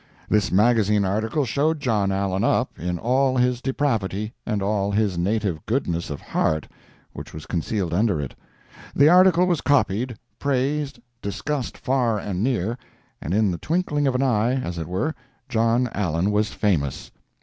This magazine article showed John Allen up in all his depravity, and all his native goodness of heart which was concealed under it. The article was copied, praised, discussed far and near, and in the twinkling of an eye, as it were, John Allen was famous.